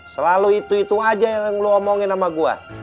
selalu itu itu aja yang lo omongin sama gue